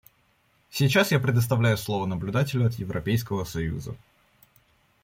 Сейчас я предоставляю слово наблюдателю от Европейского союза.